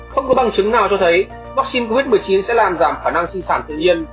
không có bằng chứng nào cho thấy vaccine covid một mươi chín sẽ làm giảm khả năng sinh sản tự nhiên